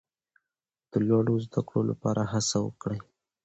د لوړو زده کړو لپاره هڅه وکړئ.